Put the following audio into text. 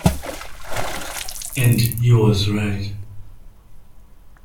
And he was right.